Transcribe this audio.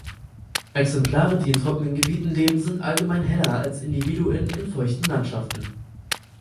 Exemplare die in trockenen Gebieten leben sind allgemein heller als Individuen in feuchten Landschaften.